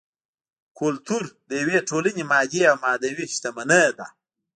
کولتور د یوې ټولنې مادي او معنوي شتمني ده